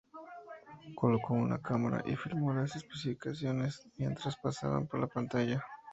Colocό una cámara y filmό las especificaciones mientras pasaban por la pantalla.